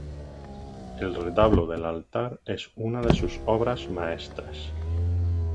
El retablo del altar es una de sus obras maestras.